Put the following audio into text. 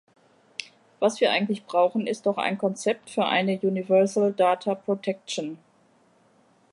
Was wir eigentlich brauchen, ist doch ein Konzept für eine universal data protection.